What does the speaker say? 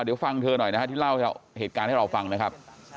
เดี๋ยวฟังเธอหน่อยนะฮะที่เล่าเหตุการณ์ให้เราฟังนะครับ